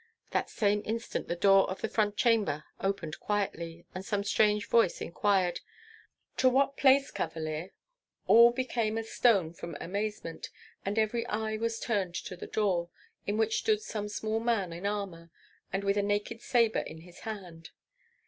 That same instant the door of the front chamber opened quietly, and some strange voice inquired, "To what place, Cavalier?" All became as stone from amazement, and every eye was turned to the door, in which stood some small man in armor, and with a naked sabre in his hand.